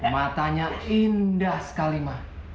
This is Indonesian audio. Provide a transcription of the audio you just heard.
matanya indah sekali ma